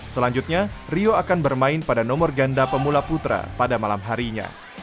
selanjutnya rio akan bermain pada nomor ganda pemula putra pada malam harinya